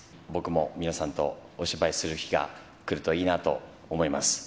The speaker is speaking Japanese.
僕も皆さんとお芝居する日が来るといいなと思います。